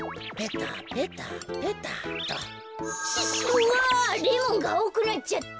うわレモンがあおくなっちゃった。